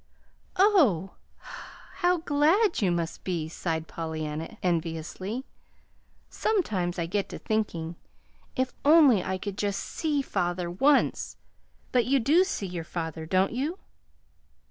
"Oh, how glad you must be," sighed Pollyanna, enviously. "Sometimes I get to thinking, if only I could just SEE father once but you do see your father, don't you?"